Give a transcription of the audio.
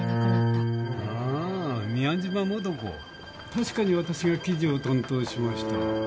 確かに私が記事を担当しました。